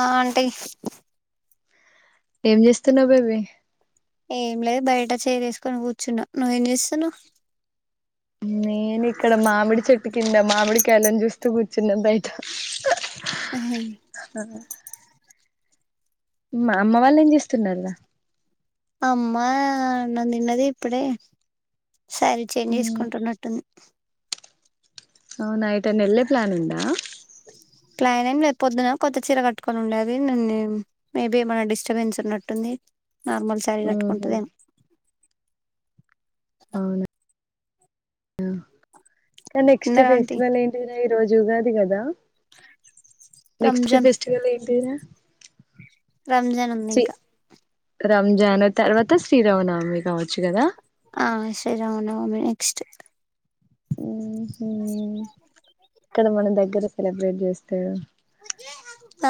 ఆ ఆంటీ ఏం చేస్తున్నావ్ బేబి ఏం లేదు బయట చైర్ ఏసుకుని కూర్చున్నా నువ్వేం చేస్తున్నావ్ నే నేను ఇక్కడ మామిడి చెట్ కింద మామిడికాయలని చూస్తూ కూర్చున్నాం బయట హాయ్ ఆ మా అమ్మ వాళ్ళు ఏం చేస్తున్నారా అమ్మా అన్నం తిన్నది ఇప్పుడే సారీ చేంజ్ చేసుకుంటున్నట్టుంది అవునా ఏటన్నా వెళ్ళే ప్లాన్ ఉందా ప్లాన్ ఏం లే పొద్దున కొత్త చీర కట్టుకొని ఉండే అది నిన్ మేబీ ఏమన్న డిస్టర్బెన్స్ ఉన్నట్టుంది నార్మల్ శారీ ఉహు కట్టుకుంటదేమో డు నెక్స్ట్ తిన్నారా ఆంటీ ఫెస్టివల్ ఏంటి ఈ రోజు ఉగాది కదా నెక్స్ట్ రంజాన్ ఫెస్టివల్ ఏంటిరా రంజాన్ ఉంది ఇంకా రంజాన్ తర్వాత శ్రీరామనవమి కావచ్చు కదా ఆ సరే అవునవును నెక్స్ట్ ఉ ఉ ఇక్కడ మన దగ్గర సెలబ్రేట్ చేస్తా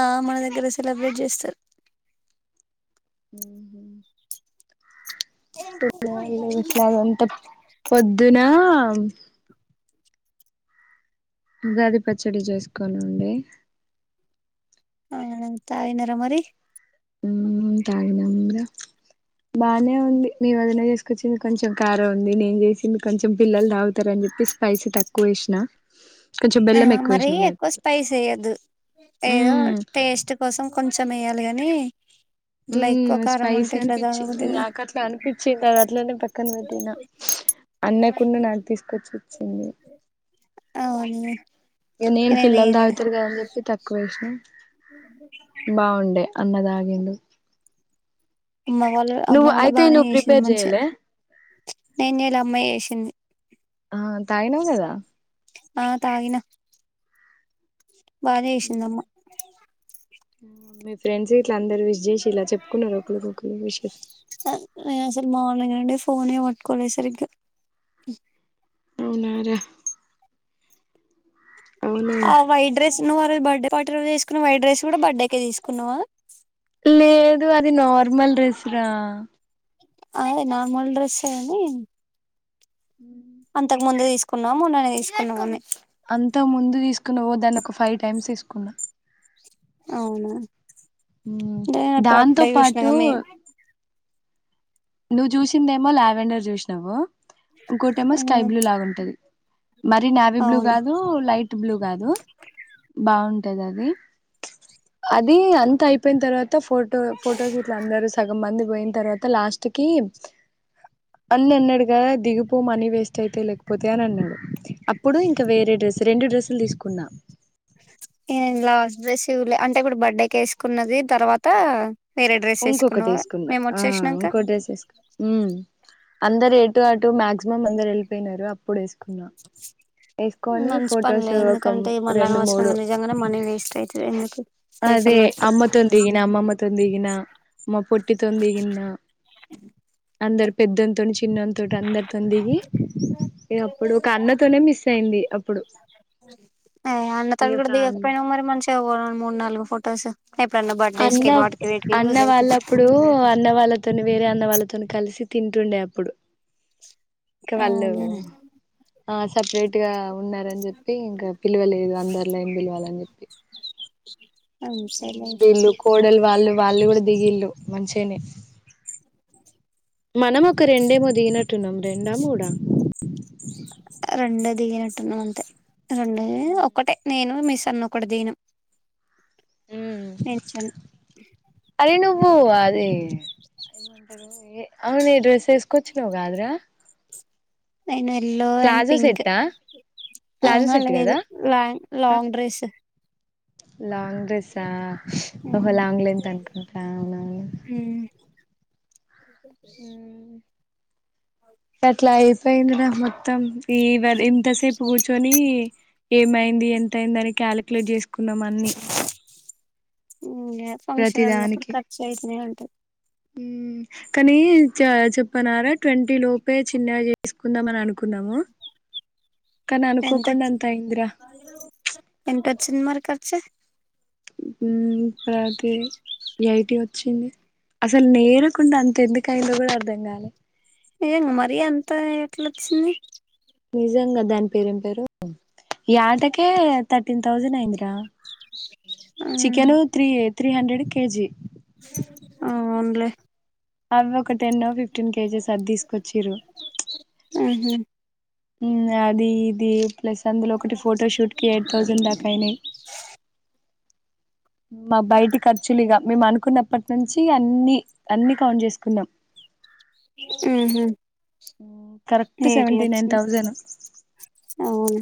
ఆ మన దగ్గర సెలబ్రేట్ చేస్తారు ఉహు ఇంట్ల అంత పొద్దున ఉగాది పచ్చడి చేసుకొని ఉండి మేడం తాగినరా మరి ఉమ్ తాగినం గా బానే ఉంది మీ వదినే చేసుకొచ్చింది కొంచెం కారం ఉంది నేను చేసింది కొంచెం పిల్లలు తాగుతారుని చెప్పి స్పైసీ తక్కువ వేసినా కొంచెం బెల్లం ఎక్కువ మరి వేసినా ఎక్కువ అన్నట్టు స్పైస్ వేయద్దు ఏదో ఉమ్ టేస్ట్ కోసం కొంచెం ఏయాలి గాని ఇట్లా ఎక్కువ ఉ కారం స్పైసీ ఉంటే ఇట్లా తాగబుద్ది అనిపించింది కాదు. నాకు అట్లా అనిపించింది తర్వాత ఇట్లానిమ్ పక్కన వెట్టినా అన్నయ్య కూన్ను నాకు తీసుకొచ్చి ఇచ్చింది అవును ఇక నేను పిల్లలు నేనేం తాగుతారు కదని చెప్పి తక్కువ వేసాన బాగుండే అన్న తాగిండు అమ్మ వాళ్ళు నువ్వు అమ్మ కూడా అయితే బాగానే నువ్వు చేసింది ప్రిపేర్ మంచిగా చేయలే నేను చేయాలె అమ్మ చేసింది ఆ తాగినావు గదా ఆ తాగిన బాగా చేసింది అమ్మ ఉ మీ ఫ్రెండ్స్ గిట్లా అంద అందరూ విస్ చేసిండ్ల చెప్పుకున్నారు ఒకరికి ఒకరు విషేస్ నేను అసలు మార్నింగ్ నుండి ఫోనే వట్టుకోలే సరిగా అవునార ఆ వైట్ డ్రెస్ ను అ రోజు బర్డే పార్టీ రోజు వేసుకున్న వైట్ డ్రెస్ కూడా బర్త్డే కే తీసుకున్నావా లేదు అది నార్ నార్మల్ డ్రెస్ రా అదే నార్మల్ డ్రెస్ అయినీ హ్మ్మ్ అంతకు ముందే తీసుకున్నాము మొన్ననే తీసుకున్నాము అన్ని అంతా ముందు తీసుకున్న ఓ దాన్ని ఒక ఫైవ్ టైమ్స్ వేసుకున్న అవునా నే దాంతో అప్పుడే చూసినా పాటు గాని నువ్ చూసిందేమో లావెండర్ చూసినావు ఇంకోటేమో స్కైబ్లూ లాగా ఉంటది మరి నావీ బ్లూ అవును గాదు లైట్ బ్లూ గాదు బాగున్ తది అది అంత అయిపోయిన తర్వాత ఇంత ఫోటో ఫోటోస్ ఇట్ల అందరూ సగం మంది పోయిన్ తరువాత లాస్ట్ ఇంటికి అన్నునడుగా దిగిపో మనీ వేస్ట్ అయితే లేకపోతే అని అన్నాడు. అప్పుడు ఇంకా వేరే డ్రెస్ రెండు డ్రెస్ ప్లు తీసుకున్నా నేను లాస్ట్ డ్రెస్లే అంటే ఇప్పుడు బర్త్డే కు వేసుకున్నది తర్వాత వేరే డ్రెస్ ఇంకొకటి వేసుకున్నావా వేసుకున్న మేము ఆ వచ్చేసినాక ఇంకో డ్రెస్ వేసుకున్న హ్మ్మ్ అందరు ఎటు అటు మాక్సిమం అందరు వెళ్ళియినారు అప్పుడు వేస్ మంచి ఫొటోస్ పనిలే ఒక ఎందుకంటే మల్ల రెండు మూడు అనవసరంగా నిజంగానే మనీ వేస్ట్ అయితది ఎందుకు పైసలు అదే పెట్టి అమ్మతో దిగిన అమ్మమ్మ తో దిగిన అ హ్ మా పొట్టితోన్ దిగిన అందరు పెద్దంతోని చిన్నన్ తోటి అందరితో దిగి అప్పుడు ఒక అన్నతోనే మిస్ అయింది అప్పుడు ఆ అన్నతో ఇగ కూడా ఫ్యామ్ దిగకపోయినా మరి మంచి ఇంకా పోదాం మూడు నాలుగు ఫొటోస్ ఎప్పుడన్నా బర్త్డేస్ కి అన్న వాటికి వీటికి అన్న యూజ్ అవుతుంది వాళ్ళప్పుడు అన్న వాళ్ళతోని వేరే అన్న వాళ్ళు అతను కలిసి తింటుండే అప్పుడు ఇక వాళ్ళు అవునా ఆ సపరేట్ గా ఉన్నారని చెప్పి ఇంకా పిలవలేదు అందరిలో ఏం పిలవాలని చెప్పి ఇ ఊ బిల్లు కోడలు వాళ్ళు వాళ్ళు కూడా దిగిల్లు మంచెనే మనం ఒక రెండేమో దిగినట్టున్నాం రెండా మూడా రెండు దిగినట్టున్నా అంతే రెండు ఒక్కటే నేను మీసన్నోకటే దిగినం ఉమ్ నేర్చల్ ఓ అది అదమంటారు ఏ అవును ఏ డ్రెస్ చేసుకోచ్చుగా గాద్ర అయిను యల్లో అండ్ పింక్ సెట్టా ఆహ ప్లాజో సెట్ లేదు కదా ల్యాంగ్ లాంగ్ డ్రెస్సు లాంగ్ డ్రెస్సా ఓహో లాంగ్ లెన్త్ అనుకుంట అవునవును ఉమ్. హ్మ్మ్ పట్లైజ్ ఏందిరా మొత్తం ఈదది ఇంతసేపు కూర్చొని ఏమయింది ఎంత అయింది అని క్యాలిక్యలేట్ చేస్ [unintelligible] ఇగ ప్రతి ఫంక్షన్ అప్పుడు ఖర్చయితనే ఉం ఊ కనీ చ చెప్పన్నారా ట్వంటీ లోపే చిన్నగా చేసుకుందామ అని అనుకున్నము ఎంతొచ్ ఎంతొచ్చింది మరి ఖర్చు ఊ ప్రతే అయటోత్ వచ్చింది అసలు నేరకుండా అంత ఎందుకైందో కూడా అర్థం కాలే ఏం మరి అంత ఎట్లొచ్చింది నిజంగా దాని పేరేం పేరు ఉ ఈ ఆటకే త టీన్ థౌసండ్ అయిందిరా chicken three eight three hundred KG అవునులే అవి ఒక టెన్ ఓ ఫిఫ్టీన్ కేజెస్ అది తీసుకొచ్చిడ్రు ఉహు హ అది ఇది ప్లస్ అందులో ఒకటి ఫోటోషూట్కి ఎయిట్ థౌజండ్ దాకా అయినాయి మా బయటి ఖర్చులు ఇక మే అను కొన్నప్పటి నుంచి అన్ని అన్నీ కౌంట్ చేసుకున్నం ఉహు ఊ కరెక్ట్ ఏటి సెవెంటీ నైన్ వచ్చింది థౌసండ్ ను అవును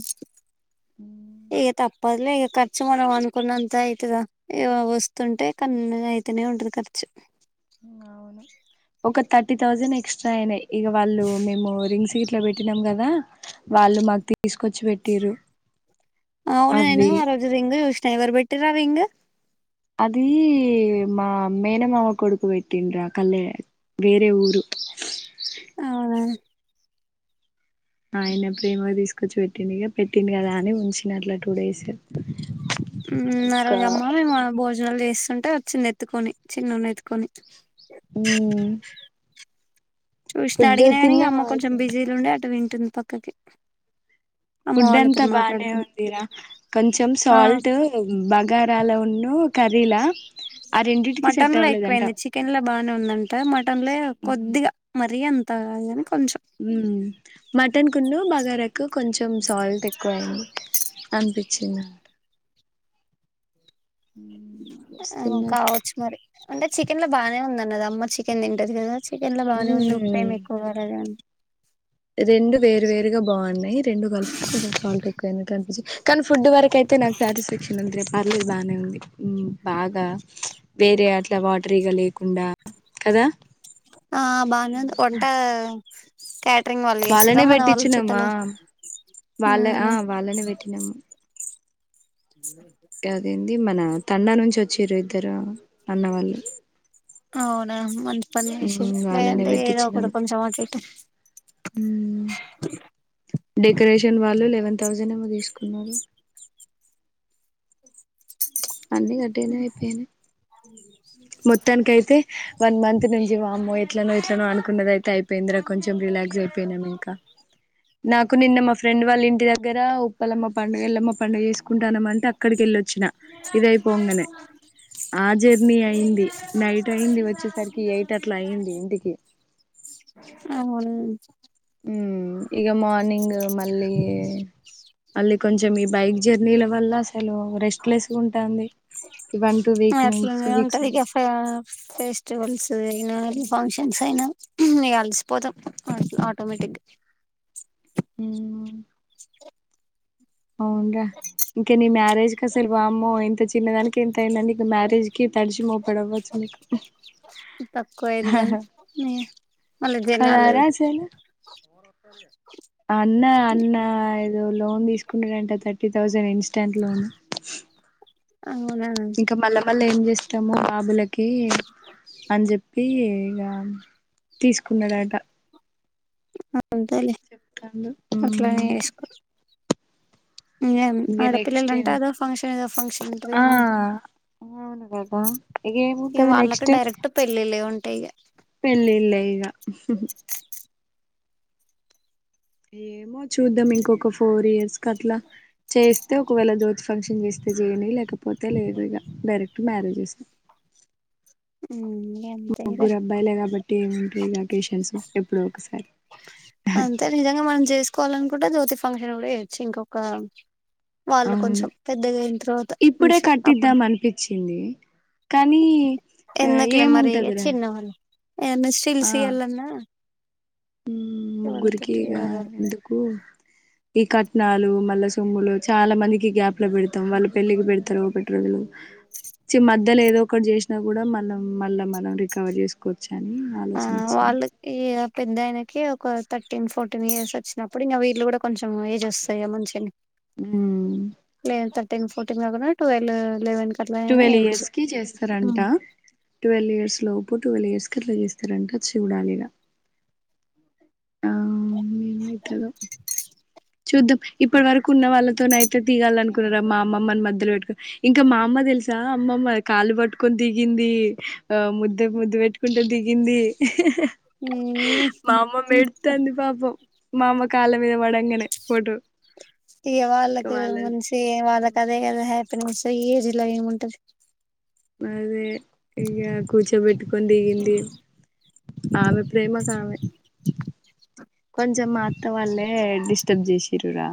పదిలే ఇక ఖర్చు మనం అనుకున్నంత అయితు ఇ వస్తుంటే కన్న అయితేనే ఉంటుంది ఖర్చు అవును ఒక థర్టీ థౌసండ్ ఎక్స్ట్రా అయినాయి ఇక వాళ్ళు మేము రింగ్ సట్ లో పెట్నాం కదా వాళ్ళు మాకు తీసుకొచ్చి పెట్టిరు అవును నను అవి ఆరజ హింగ్ చనయివర్బట్టరవ హింగ్ అది మా మేనమవ కొడుకు వెటిండ కల్ వేరే ఊరు అవునా ఆయన ప్రేమో తీసుకొచ్చి పెట్టింది ఇక పెట్టింది కదా అని ఉంచిన అట్లా టూ డేస్ హమ్ ఇంకా నరజమ్మ భోజనాలు జెస్ ంటే వచ్చింది ఎత్తుకొని చిన్నొడ్నీ ఎత్తుకొని హమ్ చూసిన అడిగిన గాని అమ్మ కొంచం అయితే బిజీలో ఉండి అటు వి టుంది పక్కకి అమ్మ ఫుడ్ అంతా వాళ్ళతోటి బానే మాట్లాడుతుంది ఉందిరా కొంచెం ఆ సాల్ట్ బగారాలొ న్నూ క మటన్ లో అవ్వలేదంట ఎక్కువయింది చికెన్ లో బానే ఉందంటే మటన్ ల కొద్దిగా రియన్ నే కొంచం ఉమ్ మటన్ కున్న బగారాకు కొంచెం సాల్ట్ ఎక్కువ అడి అనిపించింది ఆ వస్తున్నా కావచ్చు మరి అంటే చికెన్ లో బాగానే ఉంద అ అమ్మా చికెన్ంట ఇప్పకెల్లా బానే ఉంది ఉమ్ ఉప్పయం ఎక్కువాలగాని రెండు వేరు వేరుగ బాగున్నాయి రెండు కలిపితే కొంచెం సాల్ట్ ఎక్కువయినట్టు అనిపించి ఫడ్ వరకు ఐతే నాక్ సాటిస్ఫాక్షన్ ఉంది రేపు పన్నీరు బానే ఉంది హమ్ బాగా వేరే అట్ల వాటరీగా లేకుండ కదా ఆ బానే ఉంది వొంట క్యా వాళ్ళనే పెట్టించినమ్మా వాళ్ళ ఆ ఎవరు? వాళ్ళనే పెట్టి అ [inaudible] గదేంది మనా తండా నుంచి వచ్చిర్రూ ఇద్దరు అన్నవాళ్ళు అవునా మంచి పది నిమిషాలు వాళ్ళనే లేదంటే ఏదో పెట్టించినాము ఒకటి కొంచెం అటు ఇటు వన్ థౌజండ్ ఏమో తీసుకున్నారు అన్నీ కట్టయినా అయిపోయినయ్ అ మొత్తానికి అయితే వన్ మంత్ నుంచి వామ్మొ ఎట్లనో ఎట్లనో అనుకున్నది అయితే అయిపోయిందిరా కొంచెం రిలాక్స్ అయిపోయినాం ఇంకా నాకు కు నిన్న మా ఫ్రెండ్ వాళ్ళ ఇంటి దగ్గర ఉప్పలమ్మ పండుగలమ్మ పండుగ చేసుకుంటానమంటే అక్కడికి ఎళ్ళొచ్చిన ఇదయిపోంగానే ఆ జర్నీ అయి ది నైట్ అయింది వచ్చేసరికి ఎయిట్ అట్లా అయింది ఇంటికి అవును ఊ ఇక మార్నింగ్ మళ్ళీ అ కొంచెం ఈ బైక్ జర్నీల వల్ల అసలు రెస్ట్ లెస్ ఉంటుంది అట్లనే ఉంటది ఇక నుంచి ఫ ఫెస్టివల్స్ అయినా ఫంక్షన్స్ అయినా నే అలసిపోదాం ఆటోమేటిక్గా అ అవునురా ఇంకా నీ మ్యారేజ్ కసలు బామ్మో ఇంత చిన్నదానికి ఎంత అయిందండి ఇక మ్యారేజ్కి తడిచి మోపడవ్వచ్చు మీకు తక్కువ అయిద్దని మళ్ళీ కద జనాలు రానా అన్న అన్న లోన్లు ఏమన్నా తీసు డంటే థర్టీ థౌజండ్ ఇన్స్టాంట్ లోన్ అవునా ఇంకా మళ్ల మళ్ల ఏం చేస్త టమ ఆబల ఓకే అని చెప్పి తీసుకున్నదట అంతేలే చెప్తాడు అట్లనే ఏ నెక్స్ట్ ఆడపిల్లలంటే అదో ఫంక్షన్ ఏదో ఫంక్షన్ ఉంటారు కాగానీ అ ఈ వాళ్ళకి డైరెక్ట్ పెళ్ళిళ్ లే ఉంటా అైగా పెళ్ళి ఇల్ ఈక ఏమో చూద్దాం ఇంకొక ఫోర్ ఇయర్స్ క అట్లా చేస్తే ఒకవేళ జోతి ఫంక్షన్ చేస్తే చేయని లేకపోతే లేదు ఇక డైరెక్ట్ మ్యారేజ్స్ ఉమ్ అంతగా కాబట్టి ఏముంటాయి ఇగ అకేషన్స్ ఎప్పుడో ఒకసారి అంతే నిజంగా మనం చేసుకోవాలనుకుంటే జ్యోతి ఫంక్షన్ కూడా చేయొచ్చు ఇంకొక వాళ్ళు అవును కొంచెం పెద్దగా అయిన తర్వాత ఇప్పుడే మంచి అప్పుడు కట్టిద్దాం అనిపించింది కానీ ఆ ఏముంటందిరా ఎమ్ సిలు సియలనా ఉమ్ ముగ్గురికి ఇక ఎవరెవరు ఎందుకు ఈ కట్నాలు మళ్ళా సుమ్ములు చాలా మందికి గ్యాప్ లో పెడతాం వాళ్ళు పెళ్లికి పెడతారు ఒకటి రోజులు మధ్యలో ఏదో ఒకటి చేసినా కూడా మనం మళ్ళా మనం రికవర్ చేసుకోవచ్చు అని ఆ ఆలోచన వచ్చింది వాళ్ళకి పెద్దాయన ఒక థర్టీన్ ఫోర్టీన్ ఇయర్స్ వచ్చినప్పుడు ఇంక వీళ్ళలు కూడా కొంచెం ఏజ్ వస్తాయా గా మంచిగానే మ్మ్ లేదా థర్టన్ ఫోర్టీన్ టూ మారో కొట్టిన ట్వల్ లెవెన్ కి అట్లనైనా ట్వెల్వ్ ఏయొచ్చు ఇయర్స్ కి చేస్తారంట ట్వెల్వ్ ఇయర్స్ లోపు పో ట్వెల్వ్ ఇయర్స్ కి అట్లా చేస్తారంట చూడాలిగా ఉమ్ ఏం చేస్తాలా చూద్దాం ఇప్పటి వరకు ఉన్న వాళ్ళతోనే అయితే దిగాలనుకున్నారా మా అమ్మమ్మని మధ్యలో పెట్టుకొని ఇంకా మా అమ్మ తెలుసా అమ్మమ్మ కాళ్లు పట్టుకొని దిగింది ఆ ముద్ద ముద్దు పెట్టుకుంటు దిగింది మా అమ్మమ్మ ఏడుతాంది పాపం మా అమ్మ కాళ్ళ మీద పడంగానే ఫోటో ఇక వాళ్ళకి వాళ్ళ మనిషి వాళ్ళకి అదే కదా హ్యాపి ఏజ్ లో ఏం ఉంటది అదే ఇ కూర్చోపెట్టుకొని దిగింది ఆమె ప్రేమకి ఆమె కొంచెం మా అత్త వాళ్ళే డిస్టర్బ్ చేసిరు ఇకా